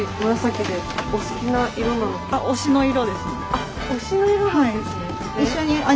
あっ推しの色なんですね。